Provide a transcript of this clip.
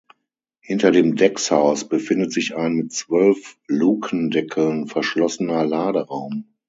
Hinter dem Deckshaus befindet sich ein mit zwölf Lukendeckeln verschlossener Laderaum.